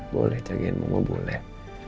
boleh jagain mama boleh